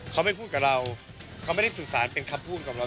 เขาไม่พูดกับเราเขาไม่ได้สื่อสารเป็นคำพูดกับเรา